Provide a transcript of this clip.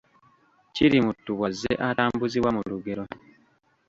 Kirimuttu bw’azze atambuzibwa mu lugero